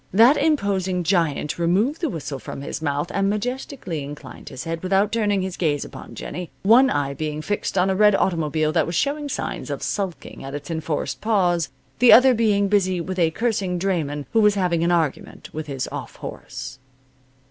That imposing giant removed the whistle from his mouth, and majestically inclined his head without turning his gaze upon Jennie, one eye being fixed on a red automobile that was showing signs of sulking at its enforced pause, the other being busy with a cursing drayman who was having an argument with his off horse.